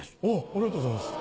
ありがとうございます。